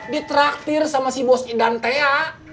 ditraktir sama si bos idan thea